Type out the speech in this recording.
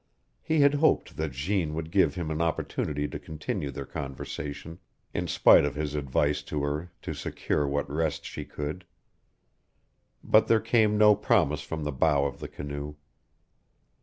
He had hoped that Jeanne would give him an opportunity to continue their conversation, in spite of his advice to her to secure what rest she could. But there came no promise from the bow of the canoe.